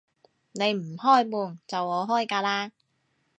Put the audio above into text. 你唔開門，就我開㗎喇